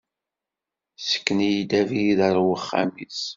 Sken-iyi-d abrid ɣer uxxam-is.